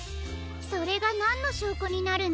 それがなんのしょうこになるんですの？